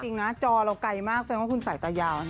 จริงนะจอเราไกลมากแสดงว่าคุณสายตายาวนะ